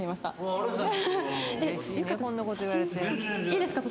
いいですか？